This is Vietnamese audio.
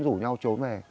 rủ nhau trốn về